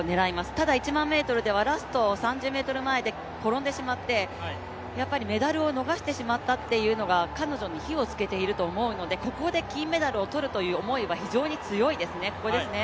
ただ１００００ｍではラスト３０ｍ前で転んでしまって、メダルを逃してしまったというのが彼女に火をつけていると思うので、ここで金メダルを取るという思いは非常に強いですね、ここですね。